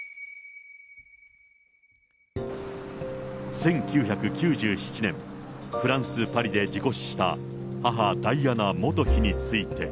１９９７年、フランス・パリで事故死した母、ダイアナ元妃について。